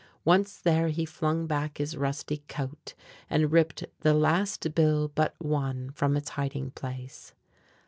Once there he flung back his rusty coat and ripped the last bill but one from its hiding place.